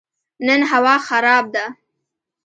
نن هوا خراب ده